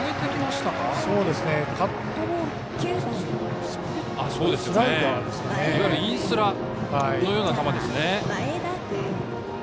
いわゆるインスラのような球ですね。